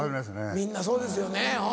みんなそうですよねおう。